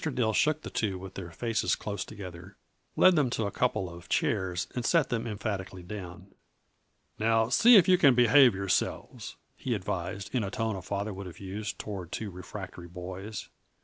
Dill shook the two with their faces close together, led them to a couple of chairs and set them emphatically down. "Now, see if you can behave yourselves," he advised, in the tone a father would have used toward two refractory boys.